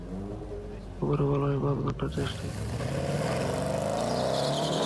খবরে বলা হয়, পাঁচ ঘণ্টার চেষ্টায় দমকল বাহিনী আগুন নেভাতে সক্ষম হয়।